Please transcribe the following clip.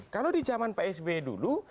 kalau di zaman pak sby dulu